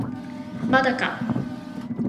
まだか